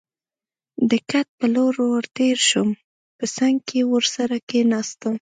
د کټ په لور ور تېر شوم، په څنګ کې ورسره کېناستم.